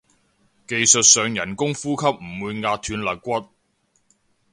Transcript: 技術上人工呼吸唔會壓斷肋骨